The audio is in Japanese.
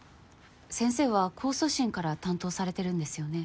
先生は控訴審から担当されているんですよね？